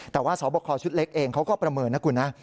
แต่ว่าสอบคอชุดเล็กเองเขาก็ประเมินนะคุณนะ